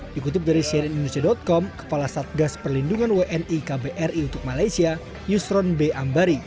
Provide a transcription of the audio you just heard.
dikutip dari cnn indonesia com kepala satgas perlindungan wni kbri untuk malaysia yusron b ambari